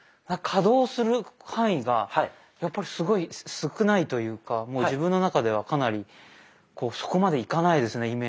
可動する範囲がやっぱりすごい少ないというかもう自分の中ではかなりそこまでいかないですね